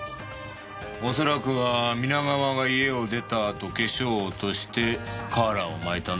おそらくは皆川が家を出たあと化粧を落としてカーラーを巻いたんだろうよ。